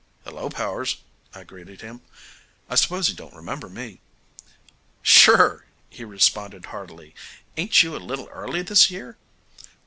"Hello, Powers," I greeted him, "I suppose you don't remember me?" "Sure," he responded heartily. "Ain't you a little early this year?"